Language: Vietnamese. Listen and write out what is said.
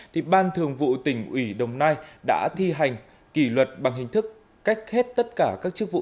thì ban thường vụ tỉnh ủy đồng nai đã thi hành kỷ luật bằng hình thức cách hết tất cả các chức vụ